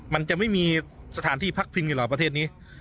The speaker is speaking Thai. มันจะไม่มีสถานที่พักพิงอยู่เหรอประเทศนี้